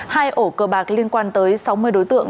hai ổ cơ bạc liên quan tới sáu mươi đối tượng